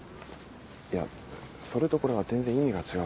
いやそれとこれは全然意味が違うから。